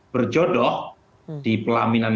berjodoh di pelaminan